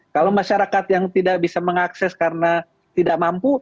kalau masyarakat yang tidak bisa mengakses karena tidak mampu